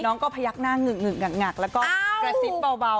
น้องก็พยักหน้าหงึกหงักแล้วก็กระซิบเบา